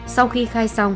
sau khi khai xong